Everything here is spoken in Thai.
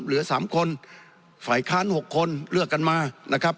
เหลือสามคนฝ่ายค้านหกคนเลือกกันมานะครับ